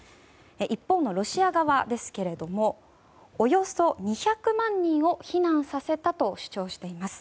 一方のロシア側ですけれどおよそ２００万人を避難させたと主張しています。